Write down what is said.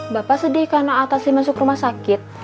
bapak sedih karena atasi masuk rumah sakit